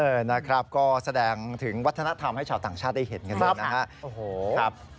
นะครับก็แสดงถึงวัฒนธรรมให้ชาวต่างชาติได้เห็นกันนะครับ